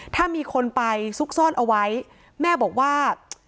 ถ้ามีคนไปซุกซ่อนเอาไว้แม่บอกว่า